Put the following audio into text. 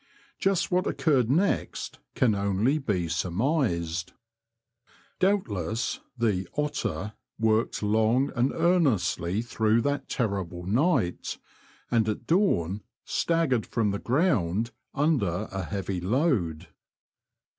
Just what occurred next can only be surmised. Doubtless the ''Otter" worked long and earnestly through that terrible night, and at dawn staggered from the ground under a heavy load.